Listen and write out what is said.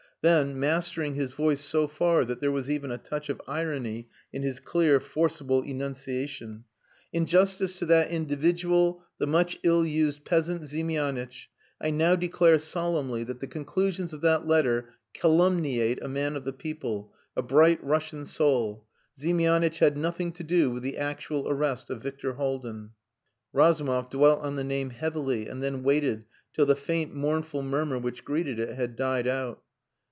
Then, mastering his voice so far that there was even a touch of irony in his clear, forcible enunciation "In justice to that individual, the much ill used peasant, Ziemianitch, I now declare solemnly that the conclusions of that letter calumniate a man of the people a bright Russian soul. Ziemianitch had nothing to do with the actual arrest of Victor Haldin." Razumov dwelt on the name heavily, and then waited till the faint, mournful murmur which greeted it had died out.